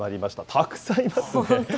たくさんいますね。